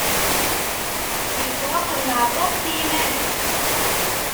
Yettwaqenneɛ Tom s yiman-is.